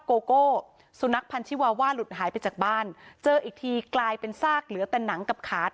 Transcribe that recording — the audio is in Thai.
โกโก้สุนัขพันธิวาว่าหลุดหายไปจากบ้านเจออีกทีกลายเป็นซากเหลือแต่หนังกับขาด